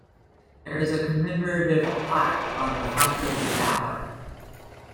There is a commemorative plaque on the front of the tower.